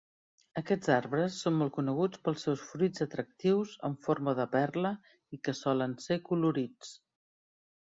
Aquests arbres són molt coneguts pels seus fruits atractius amb forma de perla i que solen ser colorits.